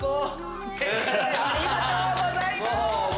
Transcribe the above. ありがとうございます！